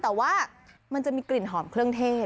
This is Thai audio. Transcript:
แต่ว่ามันจะมีกลิ่นหอมเครื่องเทศ